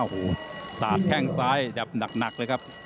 โอ้โหสาดแข้งซ้ายดับหนักเลยครับ